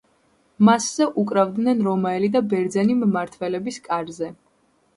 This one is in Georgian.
მასზე უკრავდნენ რომაელი და ბერძენი მმართველების კარზე.